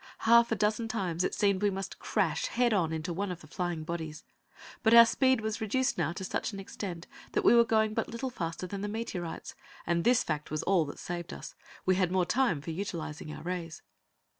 Half a dozen times it seemed that we must crash head on into one of the flying bodies, but our speed was reduced now to such an extent that we were going but little faster than the meteorites, and this fact was all that saved us. We had more time for utilizing our rays.